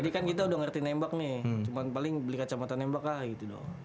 jadi kan gitu udah ngerti nembak nih cuman paling beli kacamata nembak lah gitu doang